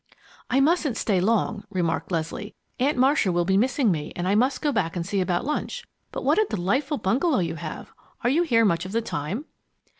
"I mustn't stay long," remarked Leslie. "Aunt Marcia will be missing me and I must go back to see about lunch. But what a delightful bungalow you have! Are you here much of the time?"